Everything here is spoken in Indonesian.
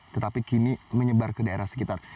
tetapi kini menyebar ke daerah sekitar